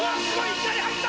いきなり入った！